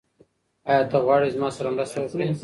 ایا ته غواړې چې زما سره مرسته وکړې؟